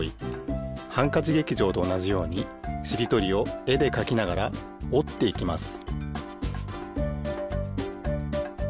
「ハンカチ劇場」とおなじようにしりとりをえでかきながらおっていきます